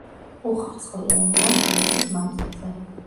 უხვწყლიანია მთელი წლის მანძილზე.